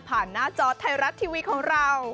หน้าจอไทยรัฐทีวีของเรา